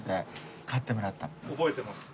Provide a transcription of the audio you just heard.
覚えてます。